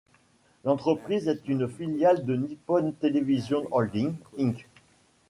L'entreprise est une filiale de Nippon Television Holdings, Inc..